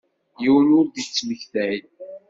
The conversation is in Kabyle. Yiwen ur d-ittmektay.